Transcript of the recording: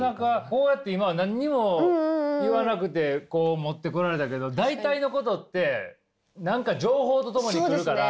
こうやって今は何も言わなくてこう持ってこられたけど大体のことって何か情報とともに来るから。